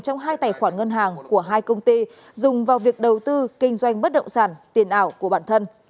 trong hai tài khoản ngân hàng của hai công ty dùng vào việc đầu tư kinh doanh bất động sản tiền ảo của bản thân